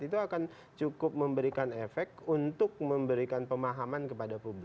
itu akan cukup memberikan efek untuk memberikan pemahaman kepada publik